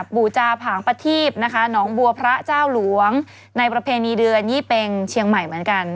บูจาผางประทีบนะคะหนองบัวพระเจ้าหลวงในประเพณีเดือนยี่เป็งเชียงใหม่เหมือนกัน